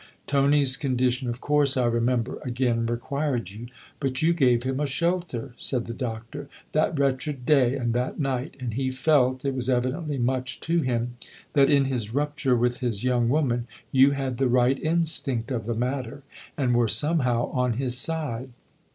" Tony's condition of course I remember again required you. But you gave him a shelter," said the Doctor, " that wretched day and that night, and he felt (it was evidently much to him) that, in his rupture with his young woman, you had the right instinct of the matter and were somehow on his side."